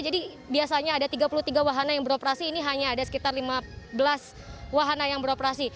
jadi biasanya ada tiga puluh tiga wahana yang beroperasi ini hanya ada sekitar lima belas wahana yang beroperasi